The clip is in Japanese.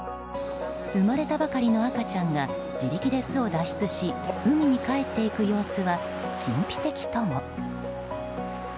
生まれたばかりの赤ちゃんが自力で巣を脱出し海に帰っていく様子は神秘的とも。